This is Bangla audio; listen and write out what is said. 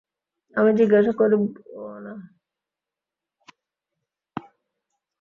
আমি জিজ্ঞাসা করিবও না।